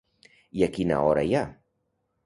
I a quina hora hi ha?